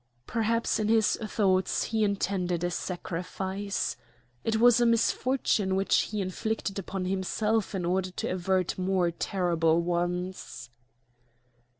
Perhaps in his thoughts he intended a sacrifice. It was a misfortune which he inflicted upon himself in order to avert more terrible ones.